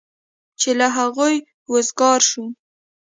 چې له هغوی وزګار شو.